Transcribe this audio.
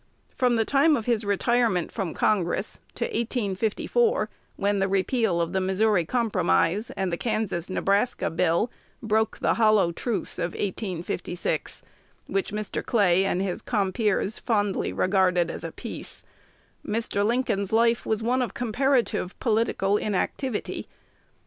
From the time of his retirement from Congress to 1854, when the repeal of the Missouri Compromise and the Kansas Nebraska Bill broke the hollow truce of 1856, which Mr. Clay and his compeers fondly regarded as a peace, Mr. Lincoln's life was one of comparative political inactivity.